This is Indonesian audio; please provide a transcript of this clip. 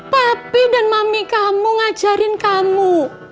pepi dan mami kamu ngajarin kamu